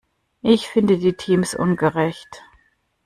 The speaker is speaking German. Ich finde die Teams ungerecht.